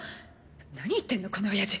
何言ってんのこのオヤジ。